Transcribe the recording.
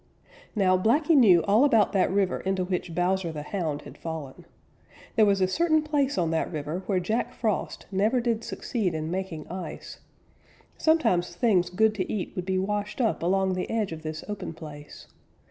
Now Blacky knew all about that river into which Bowser the Hound had fallen. There was a certain place on that river where Jack Frost never did succeed in making ice. Sometimes things good to eat would be washed up along the edge of this open place.